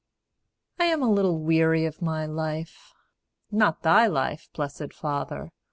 I AM a little weary of my life Not thy life, blessed Father!